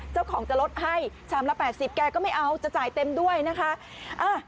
เจ้าของจะลดให้ชามละ๘๐แกก็ไม่เอาจะจ่ายเต็มด้วยนะคะ